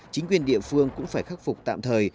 chính quyền địa phương cũng phải khắc phục tạm thời